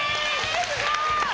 すごい！